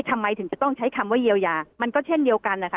ทำไมถึงจะต้องใช้คำว่าเยียวยามันก็เช่นเดียวกันนะคะ